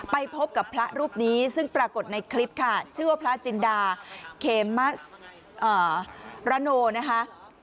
ไปพบกับพระรูปนี้ซึ่งปรากฏในคลิปค่ะชื่อว่าพระจินดาเขมะระโนนะคะ